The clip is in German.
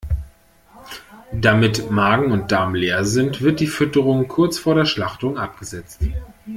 Damit Magen und Darm leer sind, wird die Fütterung kurz vor der Schlachtung abgesetzt.